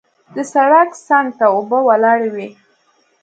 د سړک څنګ ته اوبه ولاړې وې.